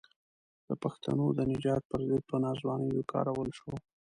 د پښتنو د نجات پر ضد په ناځوانۍ وکارول شو.